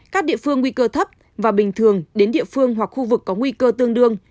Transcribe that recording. các địa phương nguy cơ thấp và bình thường đến địa phương hoặc khu vực có nguy cơ tương đương